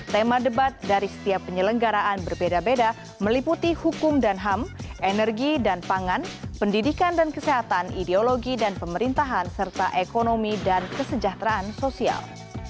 tema debat dari setiap penyelenggaraan berbeda beda meliputi hukum dan ham energi dan pangan pendidikan dan kesehatan ideologi dan pemerintahan serta ekonomi dan kesejahteraan sosial